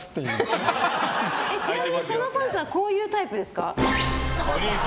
ちなみにそのパンツはこういうタイプですか？